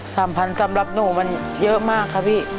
สามพันสำหรับหนูมันเยอะมากค่ะพี่